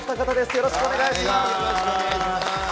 よろしくお願いします。